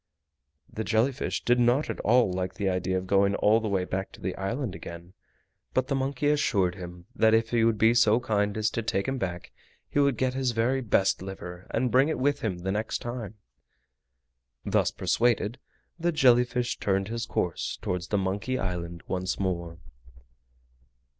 The jelly fish did not at all like the idea of going all the way back to the island again; but the monkey assured him that if he would be so kind as to take him back he would get his very best liver, and bring it with him the next time. Thus persuaded, the jelly fish turned his course towards the Monkey Island once more.